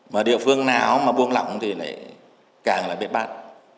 mà địa phương nào mà buông lỏng thì lại càng là biết bắt